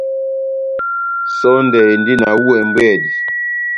Sɔndɛ endi na hú ɛmbwedi.